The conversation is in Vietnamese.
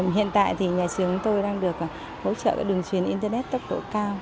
hiện tại thì nhà trường tôi đang được hỗ trợ đường truyền internet tốc độ cao